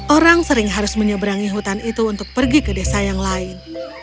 orang sering harus menyeberangi hutan itu untuk pergi ke desa yang lain